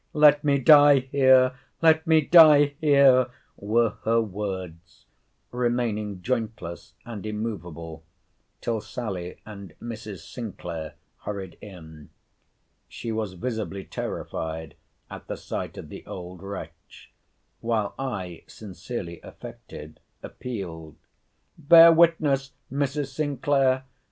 —Let me die here! let me die here! were her words; remaining jointless and immovable, till Sally and Mrs. Sinclair hurried in. She was visibly terrified at the sight of the old wretch; while I (sincerely affected) appealed, Bear witness, Mrs. Sinclair!